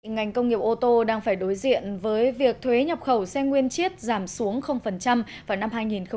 ngành công nghiệp ô tô đang phải đối diện với việc thuế nhập khẩu xe nguyên chiết giảm xuống vào năm hai nghìn hai mươi